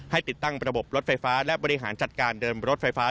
ติดตั้งระบบรถไฟฟ้าและบริหารจัดการเดินรถไฟฟ้า